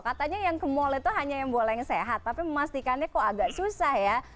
katanya yang ke mall itu hanya yang boleh yang sehat tapi memastikannya kok agak susah ya